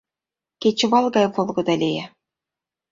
Кечывал гай волгыдо лие...